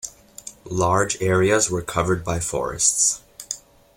Large areas were covered by forests.